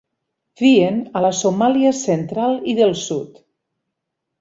Vien a la Somàlia central i del sud.